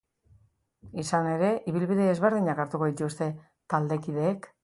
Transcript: Izan ere, ibilbide ezberdinak hartuko dituzte taldekideek.